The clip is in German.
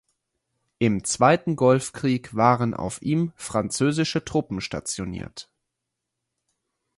Im Zweiten Golfkrieg waren auf ihm französische Truppen stationiert.